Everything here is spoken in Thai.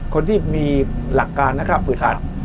คนที่มีหลักการผลัด